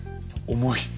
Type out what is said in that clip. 重い？